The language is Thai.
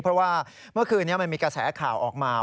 เพราะว่าเมื่อคืนนี้มันมีกระแสข่าวออกมา